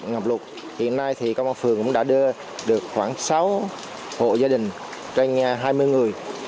ngập lụt hiện nay thì công an phường cũng đã đưa được khoảng sáu hộ gia đình trên nhà hai mươi người